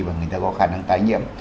và người ta có khả năng tái nhiễm